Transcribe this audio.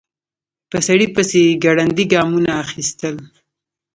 په سړي پسې يې ګړندي ګامونه اخيستل.